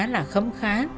là khấm khá